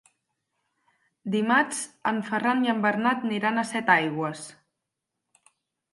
Dimarts en Ferran i en Bernat aniran a Setaigües.